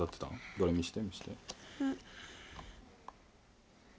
どれ見せて見せて。